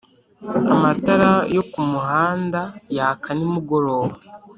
Amatara yo ku muhanda yaka nimugoroba.